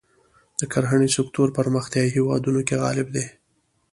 د کرهڼې سکتور پرمختیايي هېوادونو کې غالب دی.